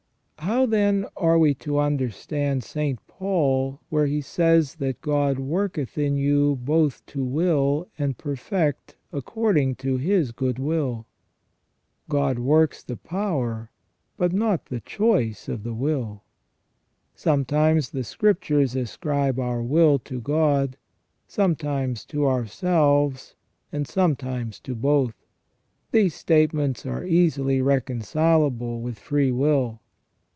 How, then, are we to understand St. Paul where he says that God " worketh in you both to will and perfect according to His good will "? God works the power but not the choice of the will. Sometimes the Scriptures ascribe our will to God, sometimes to ourselves, and sometimes to both. These statements are easily reconcilable with free will.